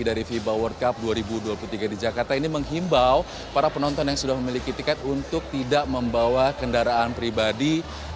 dari fiba world cup dua ribu dua puluh tiga di jakarta ini menghimbau para penonton yang sudah memiliki tiket untuk tidak membawa kendaraan pribadi